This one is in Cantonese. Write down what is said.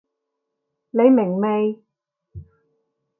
你明未？